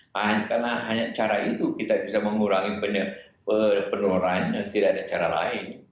karena hanya cara itu kita bisa mengurangi penerorannya tidak ada cara lain